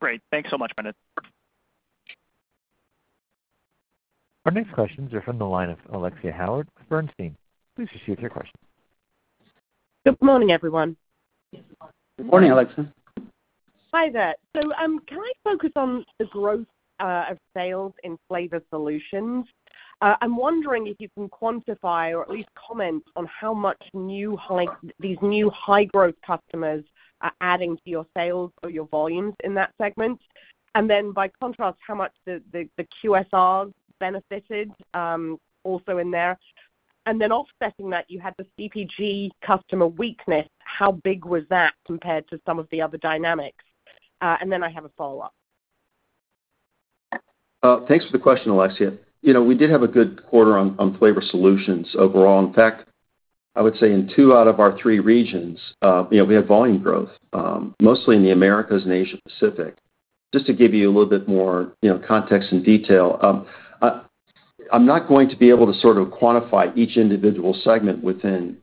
Great. Thanks so much, Bennett. Our next questions are from the line of Alexia Howard, Bernstein. Please proceed with your question. Good morning everyone. Good morning, Alexia. Hi there. So can I focus on the growth of sales in Flavor Solutions? I'm wondering if you can quantify or at least comment on how much these new high growth customers are adding to your sales or your volumes in that segment, and then by contrast how much the QSRs benefited also in there. Offsetting that, you had the CPG customer weakness. How big was that compared to some of the other dynamics? And then I have a follow up. Thanks for the question, Alexia. We did have a good quarter on Flavor Solutions overall. In fact, I would say in two out of our three regions we have volume growth mostly in the Americas and Asia Pacific. Just to give you a little bit more context and detail, I'm not going to be able to sort of quantify each individual segment within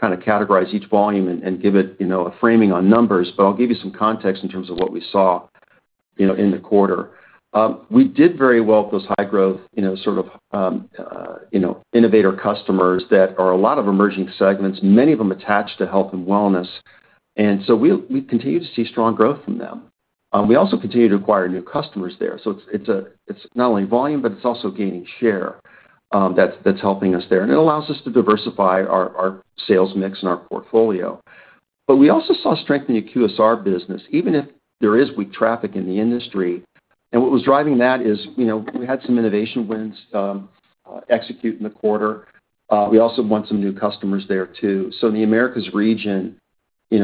or kind of categorize each volume and give it a framing on numbers, but I'll give you some context in terms of what we saw in the quarter. We did very well with those high growth sort of innovator customers that are a lot of emerging segments, many of them attached to health and wellness and We continue to see strong growth from them. We also continue to acquire new customers there. It's not only volume, but it's also gaining share that's helping us there and it allows us to diversify our sales mix and our portfolio. We also saw strength in the QSR business, even if there is weak traffic in the industry. What was driving that is we had some innovation wins execute in the quarter. We also won some new customers there too. In the Americas region it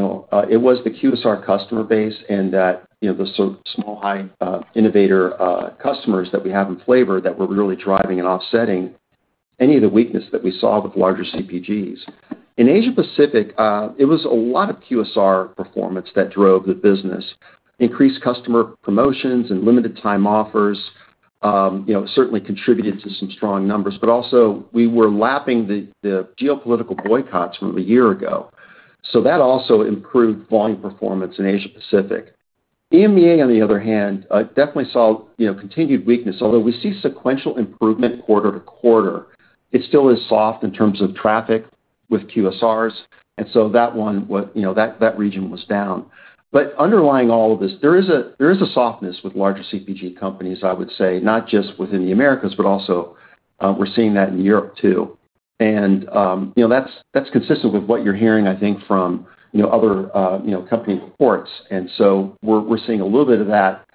was the QSR customer base and the small, high innovator customers that we have in flavor that were really driving and offsetting any of the weakness that we saw with larger CPGs. In Asia Pacific, it was a lot of QSR performance that drove the business, increased customer promotions and limited time offers, certainly contributed to some strong numbers. We were lapping the geopolitical boycotts from a year ago. That also improved volume performance in Asia Pacific. EMEA, on the other hand, definitely saw continued weakness, although we see sequential improvement quarter to quarter. It still is soft in terms of traffic with QSRs and so that one, that region was down. But underlying all of this, there is a softness with larger CPG companies, I would say not just within the Americas, but also in Europe. We're seeing that in Europe too. That's consistent with what you're hearing, I think, from other company reports. And so we're seeing a little bit of that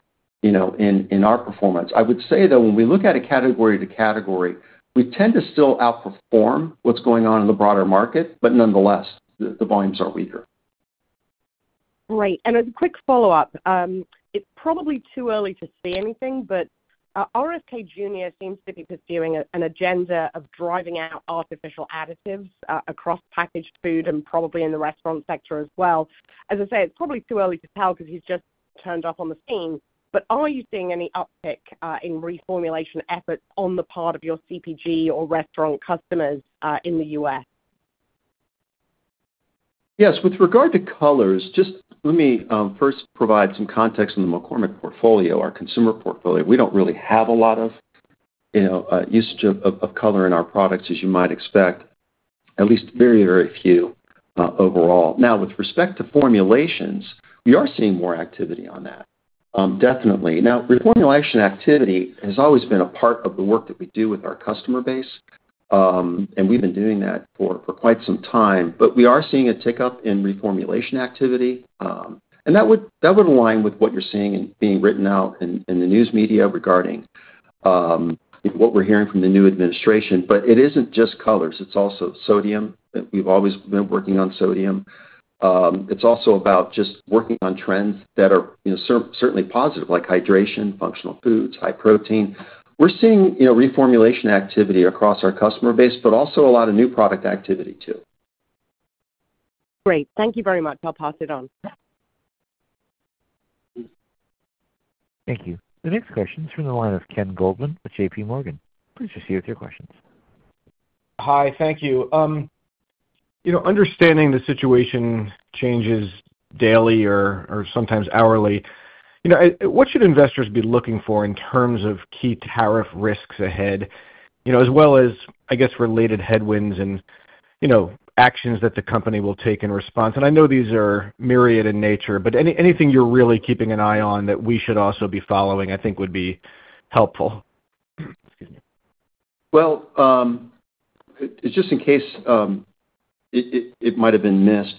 in our performance. I would say though, when we look at it a category to category, we tend to still outperform what's going on in. the broader market, but nonetheless the volumes are weaker. Great. A quick follow up. It's probably too early to say anything, but RFK Jr seems to be pursuing an agenda of driving out artificial additives across packaged food and probably in the restaurant sector as well. As I said, it's probably too early to tell because he's just turned up on the scene. Are you seeing any uptick in reformulation efforts on the part of your CPG or restaurant customers in the US? Yes. With regard to colors, just let me first provide some context on the McCormick portfolio, our consumer portfolio. We do not really have a lot of usage of color in our products, as you might expect, at least very, very few overall. Now, with respect to formulations, we are seeing more activity on that definitely. Now, reformulation activity has always been a part of the work that we do with our customer base and we've been doing that for quite some time. We are seeing a tick up in reformulation activity. That would align with what you're seeing being written out in the news media regarding what we're hearing from the new administration. It isn't just colors, it's also sodium we've always been working on sodium. It's also about just working on trends that are certainly positive, like hydration, functional foods, high protein. We're seeing reformulation activity across our customer base, but also a lot of new product activity, too. Great. Thank you very much. I'll pass it on. Thank you. The next question is from the line of Ken Goldman with JPMorgan. Please proceed with your questions. Hi.Thank you. Understanding the situation changes daily or sometimes hourly. What should investors be looking for in terms of key tariff risks ahead as well as, I guess, related headwinds and actions that the company will take in response? I know these are myriad in nature, but anything you're really keeping an eye on that we should also be following, I think would be helpful. Well, it's just in case it might have been missed.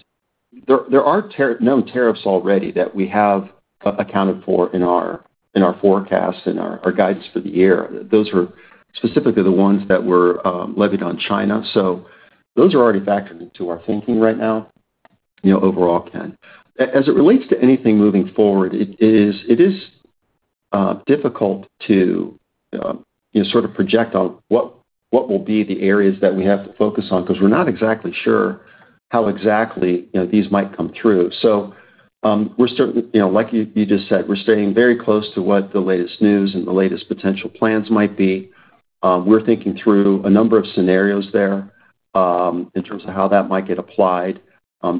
There are known tariffs already that we have accounted for in our forecast and our guidance for the year. Those were specifically the ones that were levied on China. Those are already factored into our thinking right now. Overall, Ken, as it relates to anything moving forward, it is difficult to sort of project on what will be the areas that we have to focus on because we're not exactly sure how exactly these might come through. We are certainly, like you just said, staying very close to what the latest news and the latest potential plans might be. We are thinking through a number of scenarios there in terms of how that might get applied.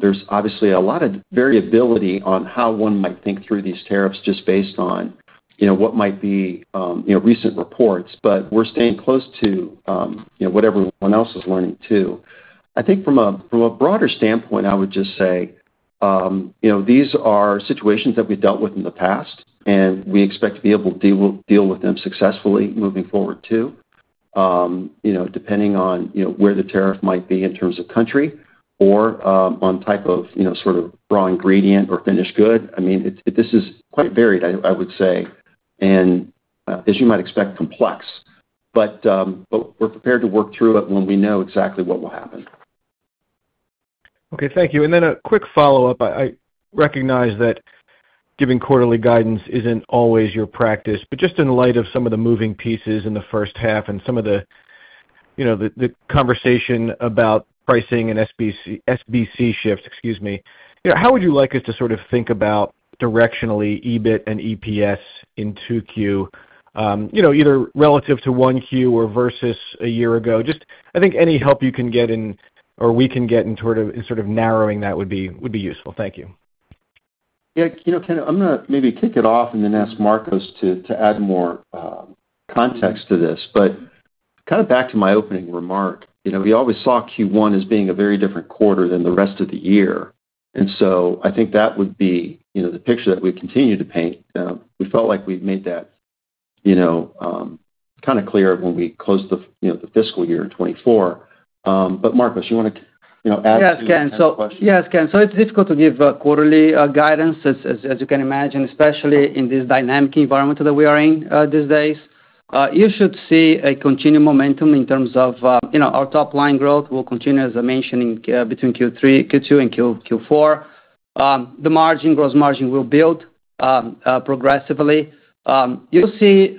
There is obviously a lot of variability on how one might think through these tariffs just based on what might be recent reports, but we're staying close to what everyone else is learning too. I think from a broader standpoint, I would just say these are situations that we dealt with in the past and we expect to be able to deal with them successfully moving forward too, depending on where the tariff might be in terms of country or on type of raw ingredient or finished good. I mean, this is quite varied, I would say, and as you might expect, complex. We're prepared to work through it when we know exactly what will happen. Okay, Thank you. A quick follow up. I recognize that giving quarterly guidance is not always your practice, but just in light of some of the moving pieces in the first half and some of the conversation about pricing and SBC shift, how would you like us to sort of think about directionally EBIT and EPS in 2Q either relative to 1Q or versus a year ago? I think any help you can get or we can get in sort of narrowing, that would be useful. Thank you. I'm going to maybe kick it off and then ask Marcos to add more context to this, but kind of back to my opening remark. We always saw Q1 as being a very different quarter than the rest of the year. I think that would be the picture that we continue to paint. We felt like we'd made that kind of clear when we closed the fiscal year in 2024. Marcos, you want to add a question? Yes, Ken. It is difficult to give quarterly guidance, as you can imagine, especially in this dynamic environment today that we are in these days. You should see a continued momentum in terms of, you know, our top line growth will continue, as I mentioned, between Q3, Q2 and Q4, the margin, gross margin will build progressively. You will see,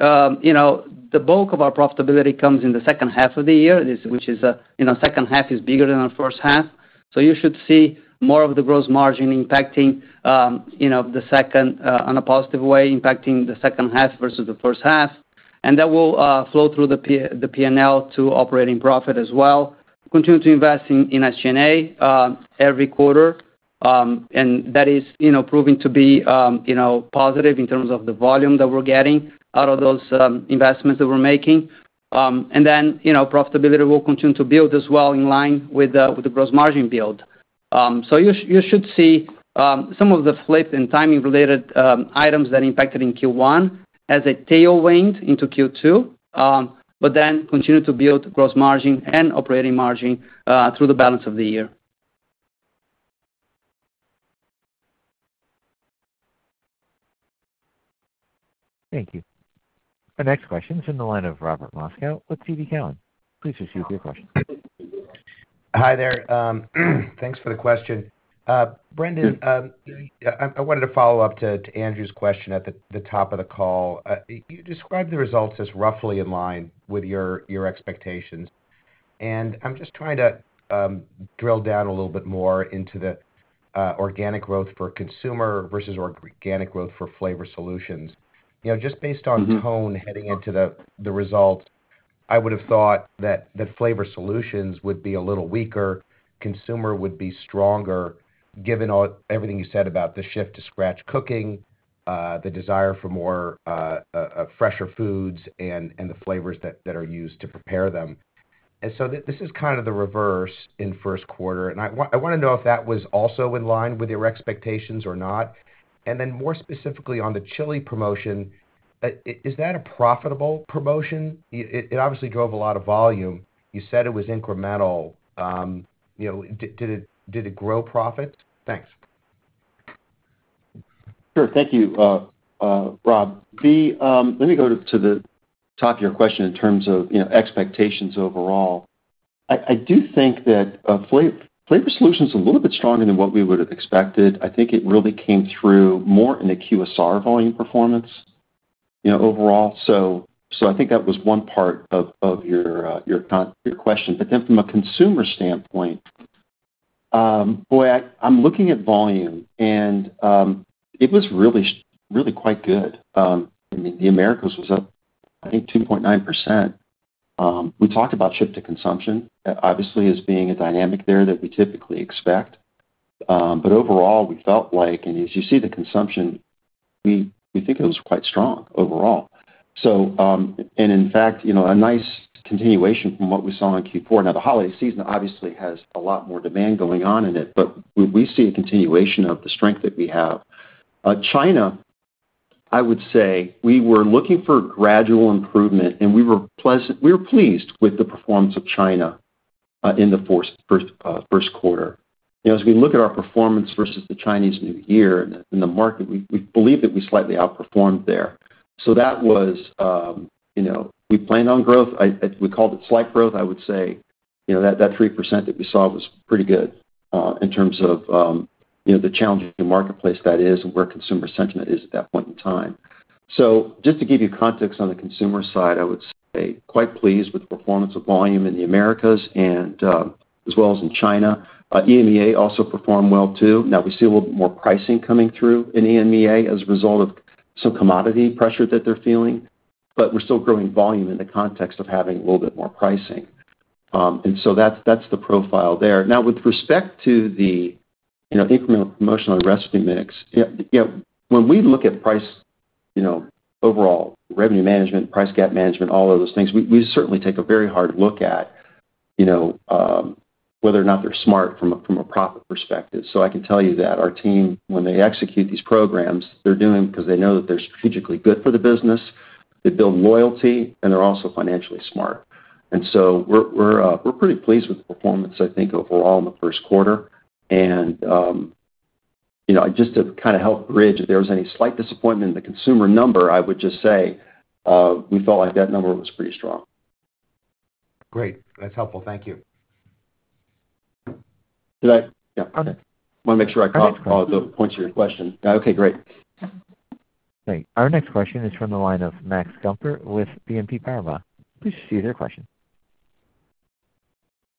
you know, the bulk of our profitability comes in the second half of the year, which is, you know, second half is bigger than our first half. You should see more of the gross margin impacting, you know, the second in a positive way, impacting the second half versus the first half. That will flow through the P&L to operating profit as well. Continue to invest in SG&A every quarter and that is proving to be positive in terms of the volume that we're getting out of those investments that we're making. Profitability will continue to build as well in line with the gross margin build. You should see some of the flip and timing related items that impacted in Q1 as a tailwind into Q2 but then continue to build gross margin and operating margin through the balance of the year. Thank you. Our next question is on the line of Robert Moskow with TD Cowen. Please proceed with your question. Hi there. Thanks for the question. Brendan. I wanted to follow up to Andrew's question at the top of the call. You described the results as roughly in line with your expectations and I'm just trying to drill down a little bit more into the organic growth for consumer versus organic growth for Flavor Solutions. Just based on tone heading into the results, I would have thought that Flavor Solutions would be a little weaker, consumer would be stronger. Given everything you said about the shift to scratch cooking, the desire for more fresher foods and the flavors that are used to prepare them, this is kind of the reverse in first quarter. I want to know if that was also in line with your expectations or not. And then more specifically on the chili promotion, is that a profitable promotion? It obviously drove a lot of volume. You said it was incremental. Did it grow profit? Thanks Sure. Thank you. Rob, let me go to the top of your question. In terms of expectations overall, I do think that Flavor Solutions is a little bit stronger than what we would have expected. I think it really came through more in the QSR volume performance overall. I think that was one part of your question. But then from a consumer standpoint. I'm looking at volume and it was really quite good. The Americas was up, I think, 2.9%. We talked about shift to consumption obviously as being a dynamic there that we typically expect. Overall we felt like, and as you see the consumption, we think it was quite strong overall and in fact a nice continuation from what we saw in Q4. Now the holiday season obviously has a lot more demand going on in it, but we see a continuation of the Strength that we have. China, I would say we were looking for gradual improvement and we were pleased with the performance of China in the first quarter. As we look at our performance versus the Chinese New Year in the market, we believe that we slightly outperformed there. That was. We planned on growth. We called it slight growth. I would say that 3% that we saw was pretty good in terms of the challenging marketplace that is and where consumer sentiment is at that point in time. So just to give you context on the consumer side, I would say quite pleased with the performance of volume in the Americas and as well as in China, EMEA also performed well too. Now we see a little more pricing coming through in EMEA as a result of some commodity pressure that they're feeling, but we are still growing volume in the context of having a little bit more pricing. That is the profile there. Now with respect to the incremental promotional recipe mix, when we look at price, overall revenue management, price gap management, all of those things, we certainly take a very hard look at whether or not they're smart from a profit perspective. So I can tell you that our team, when they execute these programs, they're doing because they know that they're strategically good for the business, they build loyalty, and they're also financially smart. We're pretty pleased with the performance, I think, overall in the first quarter. Just to kind of help bridge, if there was any slight disappointment in the consumer number, I would just say we felt like that number was pretty strong. Great. That's helpful. Thank you. Okay. I want to make sure I caught all the points of your question. Okay, great. Our next question is from the line of Max Gumport with BNP Paribas. Please proceed with your question.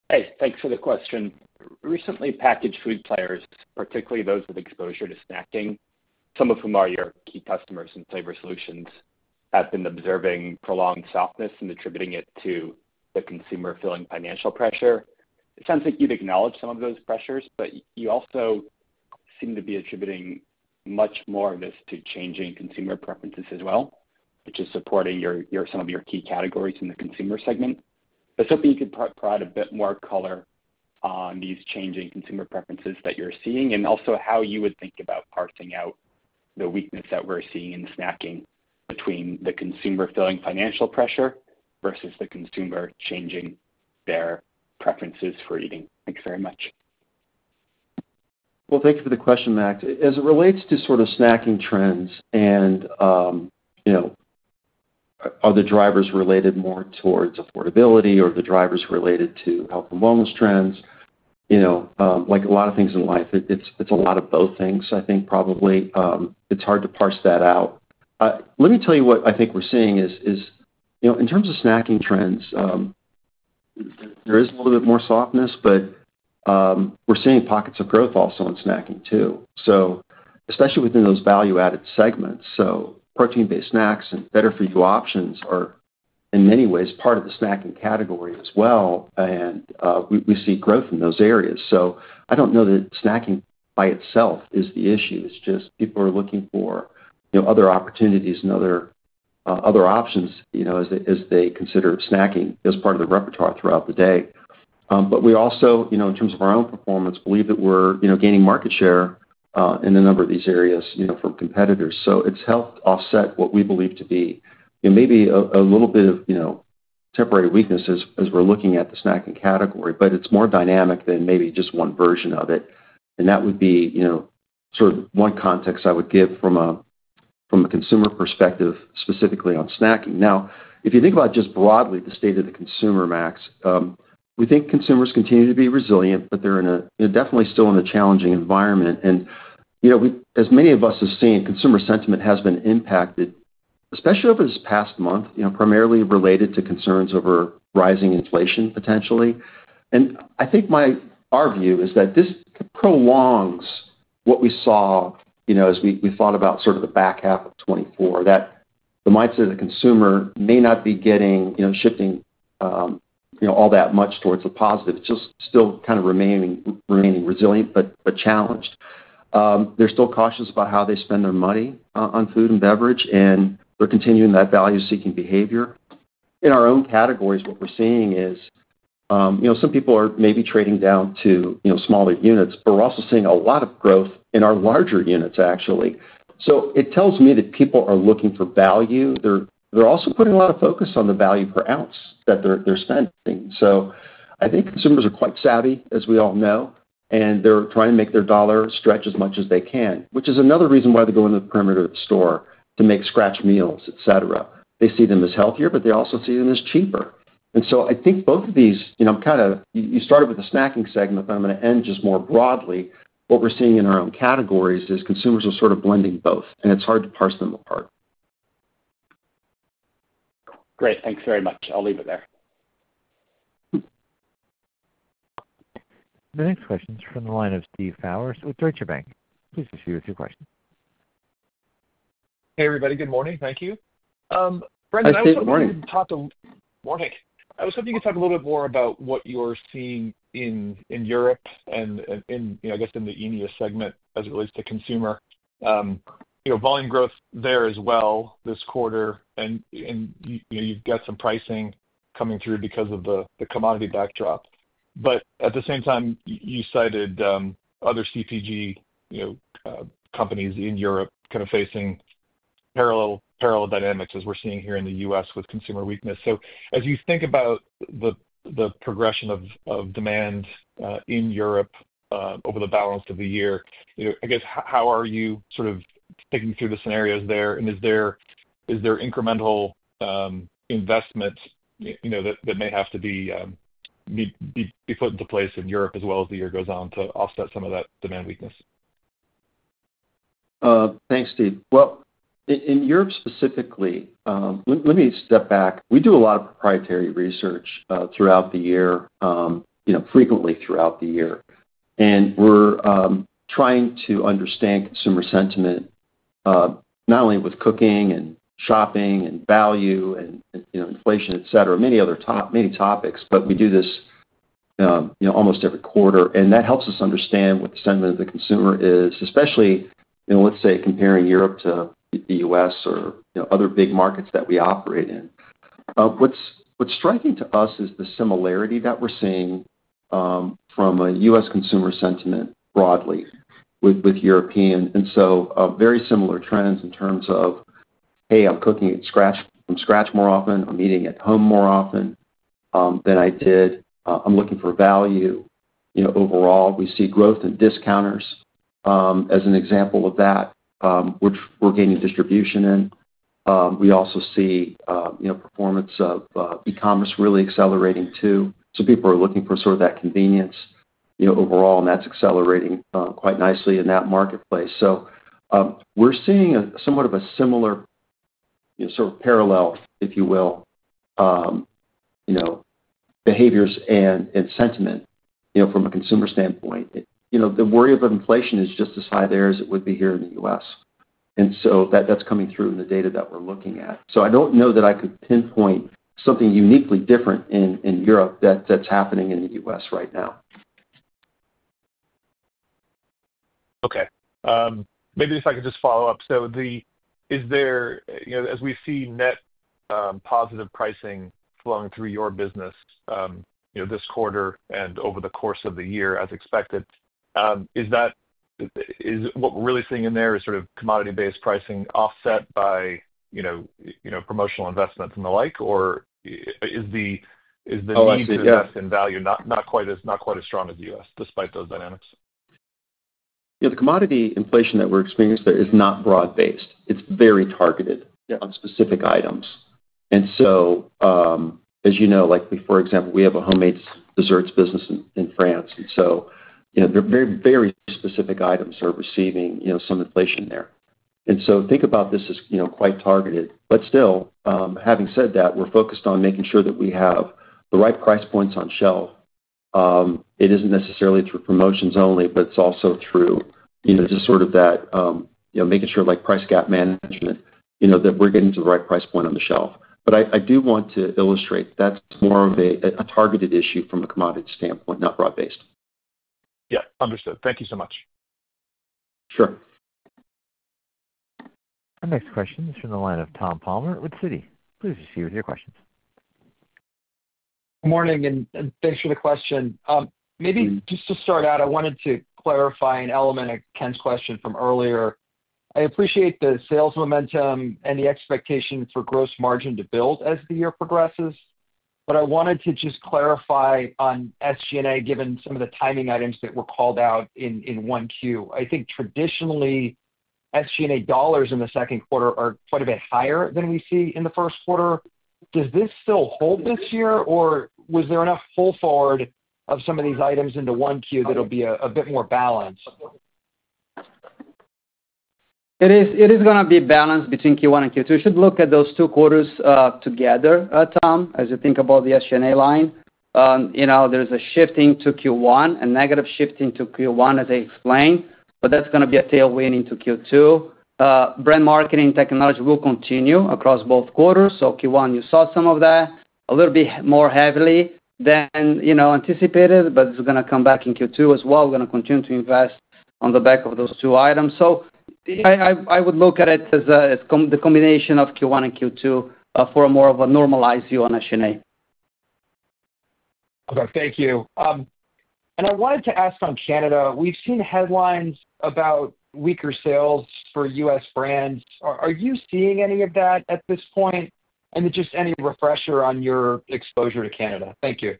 Hey, thanks for the question. Recently, packaged food players, particularly those with exposure to snacking, some of whom are your key customers in Flavor Solutions, have been observing prolonged softness and attributing it to the consumer feeling financial pressure. It sounds like you'd acknowledge some of those pressures, but you also seem to be attributing much more of this to changing consumer preferences as well, which is supporting some of your key categories in the Consumer segment. I was hoping you could provide a bit more color on these changing consumer preferences that you're seeing and also how you would think about parsing out the weakness that we're seeing in snacking between the consumer feeling financial pressure versus the consumer changing their preferences for eating. Thanks very much. Thank you for the question, Max, as it relates to sort of snacking trends and are the drivers related more towards affordability or the drivers related to health and wellness trends? Like a lot of things in life, it's a lot of both things. I think probably it's hard to parse that out. Let me tell you what I think we're seeing in terms of snacking trends. There is a little bit more softness, but we're seeing pockets of growth also in snacking too, especially within those value added segments. Protein based snacks and better for you options are in many ways part of the snacking category as well. We see growth in those areas. I don't know that snacking by itself is the issue. It's just people are looking for other opportunities and other options as they consider snacking as part of the repertoire throughout the day. We also, in terms of our own performance, believe that we're gaining market share in a number of these areas from competitors. It has helped offset what we believe to be maybe a little bit of temporary weakness as we're looking at the snacking category. It is more dynamic than maybe just one version of it. That would be one context I would give from a consumer perspective specifically on snacking. Now, if you think about just broadly the state of the consumer, Max, we think consumers continue to be resilient, but they're definitely still in a challenging environment. As many of us have seen, consumer sentiment has been impacted, especially over this past month, primarily related to concerns over rising inflation potentially. I think our view is that this prolongs what we saw, as we thought about the back half of 2024, that the mindset of the consumer may not be shifting all that much towards the positive. Just still remaining resilient but challenged. They're still cautious about how they spend their money on food and beverage and they're continuing that value seeking behavior. In our own categories, what we're seeing is some people are maybe trading down to smaller units, but we're also seeing a lot of growth in our larger units actually. So it tells me that people are looking for value. They're also putting a lot of focus on the value per ounce that they're spending. So I think consumers are quite savvy, as we all know, and they're trying to make their dollar stretch as much as they can, which is another reason why they go into the perimeter of the store to make scratch meals, et cetera. They see them as healthier, but they also see them as cheaper. I think both of these, you started with the snacking segment, but I'm going to end just more broadly. What we're seeing in our own categories is consumers are sort of blending both and it's hard to parse them apart. Great, thanks very much. I'll leave it there. The next question is from the line of Steve Powers with Deutsche Bank. Please proceed with your question. Hey everybody, good morning. Thank you. Brendan, I was hoping you could talk a little bit more about what you're seeing in Europe and I guess in the EMEA segment as it relates to consumer volume growth there as well this quarter. You've got some pricing coming through because of the commodity backdrop, but at the same time you cited other CPG companies in Europe kind of facing parallel dynamics as we're seeing here in the U.S. with consumer weakness. As you think about the progression of demand in Europe over the balance of the year, I guess how are you sort of thinking through the scenarios there? Is there incremental investment that may have to be put into place in Europe as well as the year goes on to offset some of that demand weakness? Thanks, Steve. Well, in Europe specifically, let me step back. We do a lot of proprietary research throughout the year, frequently throughout the year. We are trying to understand consumer sentiment not only with cooking and shopping and value and inflation, et cetera, many topics, but we do this almost every quarter and that helps us understand what the sentiment of the consumer is, especially let's say comparing Europe to the U.S. or other big markets that we operate in. What is striking to us is the similarity that we are seeing from a U.S. consumer sentiment broadly with European and so very similar trends in terms of, hey, I'm cooking from scratch more often, I'm eating at home more often than I did. I'm looking for value overall. We see growth in discounters as an example of that, which we're gaining distribution in. We also see performance of e-commerce really accelerating too. People are looking for that convenience overall, and that's accelerating quite nicely in that marketplace. We're seeing somewhat of a similar parallel, if you will, behaviors and sentiment from a consumer standpoint. The worry of inflation is just as high there as it would be here in the U.S. That's coming through in the data that we're looking at. I don't know that I could pinpoint something uniquely different in Europe that's happening in the U.S. right now. Okay, maybe if I could just follow up. As we see net positive pricing flowing through your business this quarter and over the course of the year, as expected, is what we're really seeing in there is sort of commodity based pricing offset by promotional investments and the like, or is the need to invest in value not quite as strong as the U.S. Despite those dynamics? The commodity inflation that we're experiencing there is not broad based. It's very targeted on specific items. As you know, like for example, we have a homemade desserts business in France. They're very, very specific items are receiving some inflation there. Think about this as quite targeted. Still, having said that, we're focused on making sure that we have the right price points on shelf. It is not necessarily through promotions only, but it is also through just sort of that making sure like price gap management that we are getting to the right price point on the shelf. I do want to illustrate that is more of a targeted issue from a commodity standpoint, not broad based. Yeah, understood. Thank you so much. Sure. Our next question is from the line of Tom Palmer at Citi. Please proceed with your questions. Good morning and thanks for the question. Maybe just to start out, I wanted to clarify an element of Ken's question from earlier. I appreciate the sales momentum and the expectation for gross margin to build as the year progresses. I wanted to just clarify on SG&A, given some of the timing items that were called out in 1Q. I think traditionally SG&A dollars in the second quarter are quite a bit higher than we see in the first quarter. Does this still hold this year or was there enough pull forward of some of these items into Q1 that will be a bit more balanced? It is going to be balanced between Q1 and Q2. We should look at those two quarters together. Tom, as you think about the SG&A line, there's a shift into Q1 and negative shift into Q1 as I explained. That is going to be a tailwind into Q2. Brand marketing technology will continue across both quarters. Q1, you saw some of that a little bit more heavily than anticipated, but it is going to come back in Q2 as well. We're going to continue to invest on the back of those two items. I would look at it as the combination of Q1 and Q2 for more of a normalized view on SG&A. Okay, thank you.I wanted to ask, on Canada, we've seen headlines about weaker sales for U.S. brands. Are you seeing any of that at this point? Just any refresher on your exposure to Canada? Thank you.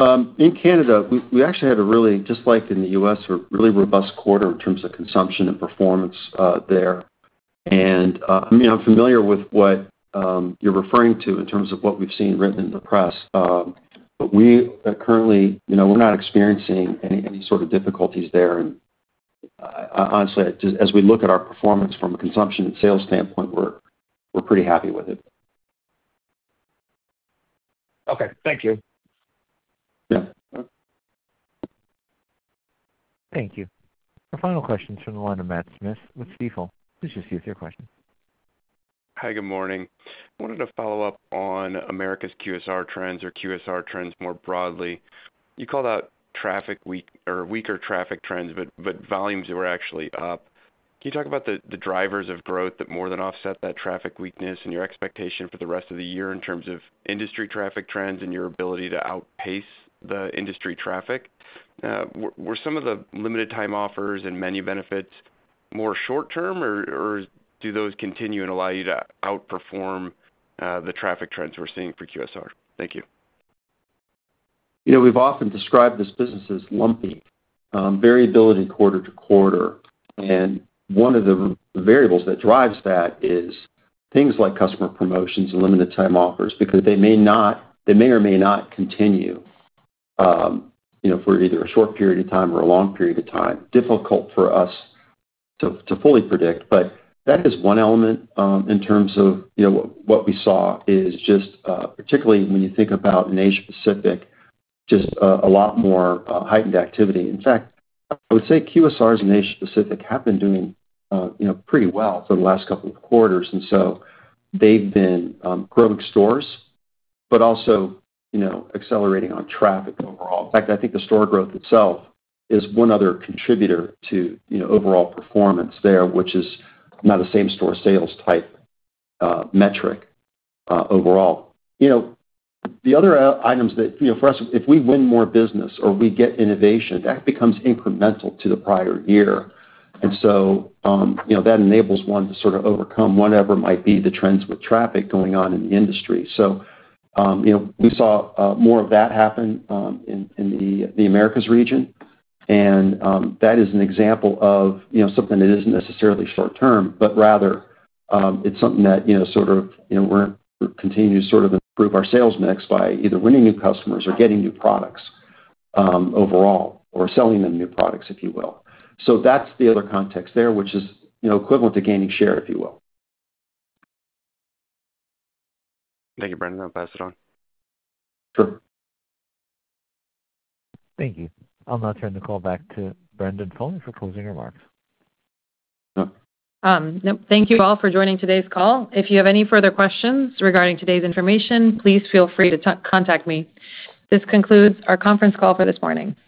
In Canada, we actually had a really, just like in the U.S., a really robust quarter in terms of consumption and performance there. I mean, I'm familiar with what you're referring to in terms of what we've seen written in the press, but currently we're not experiencing any sort of difficulties there. Honestly, as we look at our performance from a consumption and sales standpoint, we're pretty happy with it. Okay, thank you. Thank you. Our final question is from the line of Matt Smith with Stifel. Please proceed with your question. Hi, good morning. I wanted to follow up on Americas QSR trends or QSR trends more broadly. You called out traffic or weaker traffic trends, but volumes were actually up. Can you talk about the drivers of growth that more than offset that traffic weakness and your expectation for the rest of the year in terms of industry traffic trends and your ability to outpace the industry traffic? Were some of the limited time offers and menu benefits more short term or do those continue and allow you to outperform the traffic trends we're seeing for QSR? Thank you. You know, we've often described this business as lumpy variability, quarter to quarter. One of the variables that drives that is things like customer promotions and limited time offers because they may or may not continue for either a short period of time or a long period of time, difficult for us to fully predict. That is one element in terms of what we saw is just particularly when you think about Asia Pacific, just a lot more heightened activity. In fact, I would say QSRs in Asia Pacific have been doing pretty well for the last couple of quarters and so they've been growing stores but also accelerating on traffic overall. In fact, I think the store growth itself is one other contributor to overall performance there, which is not a same store sales type metric overall. The other items that for us, if we win more business or we get innovation, that becomes incremental to the prior year and that enables one to sort of overcome whatever might be the trends with traffic going on in the industry. We saw more of that happen in the Americas region and that is an example of something that isn't necessarily short term, but rather it's something that we continue to sort of improve our sales mix by either winning new customers or getting new products overall or selling them new products, if you will. That's the other context there which is equivalent to gaining share, if you will. Thank you, Brendan. I'll pass it on. Sure. Thank you. I'll now turn the call back to Faten Freiha for closing remarks. Thank you all for joining today's call. If you have any further questions regarding today's information, please feel free to contact me. This concludes our conference call for this morning.